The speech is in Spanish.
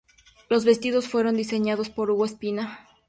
Los vestidos fueron diseñados por Hugo Espina.